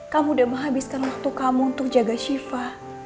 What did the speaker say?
kamu udah menghabiskan waktu kamu untuk jaga shiva